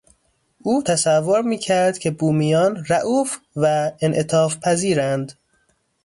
او تصور میکرد که بومیان رئوف و انعطافپذیرند.